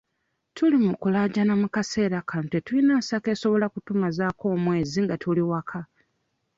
Tuli mu kulaajana mu kaseera kano tetuyina nsako esobola okutumazaako omwezi nga tuli waka.